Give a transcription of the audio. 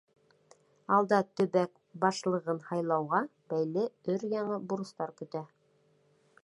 Алда төбәк башлығын һайлауға бәйле өр-яңы бурыстар көтә.